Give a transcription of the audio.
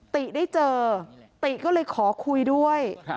ติได้เจอติก็เลยขอคุยด้วย